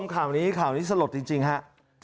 ข่าวนี้ข่าวนี้สลดจริงครับ